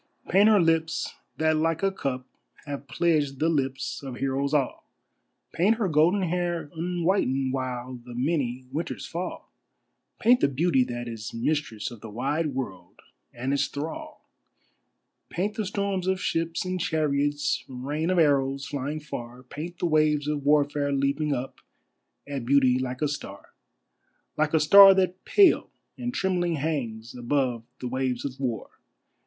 Paint her lips that like a cup have pledged the lips of heroes all, Paint her golden hair unwhitened while the many winters fall, Paint the beauty that is mistress of the wide world and its thrall! Paint the storms of ships and chariots, rain of arrows flying far, Paint the waves of Warfare leaping up at Beauty like a star, Like a star that pale and trembling hangs above the waves of War.